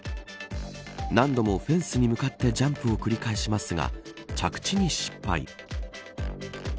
何度もフェンスに向かってジャンプを繰り返しますが着地に失敗。